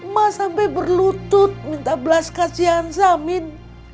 mak sampai berlutut minta belas kasihan samin